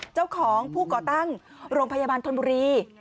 เจ้าของผู้ก่อตั้งโรงพยาบาลธนบุรี